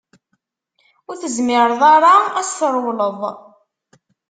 Ur tezmireḍ ara ad s-trewleḍ.